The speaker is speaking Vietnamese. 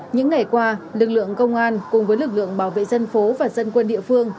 những ngày qua lực lượng công an cùng với lực lượng bảo vệ dân phố và dân quân địa phương